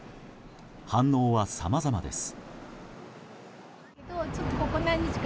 反応はさまざまです。